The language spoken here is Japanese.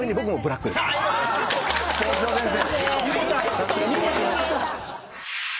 校長先生。